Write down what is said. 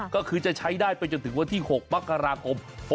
ก็คือจะใช้ได้ไปจนถึงวันที่๖มกราคม